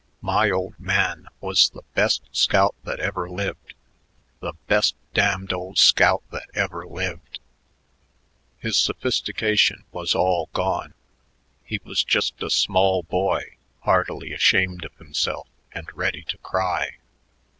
"My old man was the best scout that ever lived the best damned old scout that ever lived." His sophistication was all gone; he was just a small boy, heartily ashamed of himself and ready to cry.